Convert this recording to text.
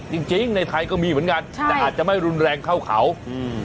จริงจริงในไทยก็มีเหมือนกันใช่แต่อาจจะไม่รุนแรงเท่าเขาอืม